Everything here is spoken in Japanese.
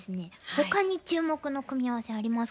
ほかに注目の組み合わせありますか？